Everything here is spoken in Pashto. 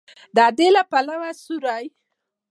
د ادې د پلو سیوری